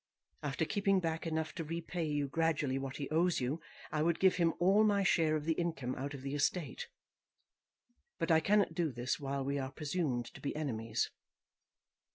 After keeping back enough to repay you gradually what he owes you, I would give him all my share of the income out of the estate. But I cannot do this while we are presumed to be enemies.